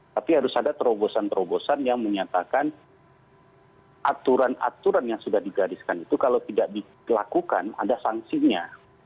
tapi harus ada terobosan terobosan yang menyatakan aturan aturan yang sudah digariskan itu kalau tidak dilakukan ada sanksinya